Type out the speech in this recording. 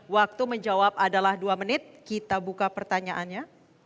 waktu menjawab adalah dua menit kita buka pertanyaannya